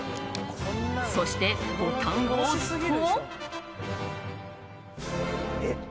そして、ボタンを押すと。